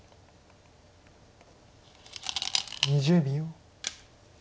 ２０秒。